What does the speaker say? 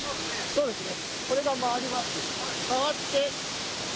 そうですね